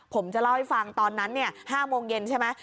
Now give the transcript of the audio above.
ผมจะเล่าให้ฟังตอนนั้น๕โมงเย็นใช่ไหม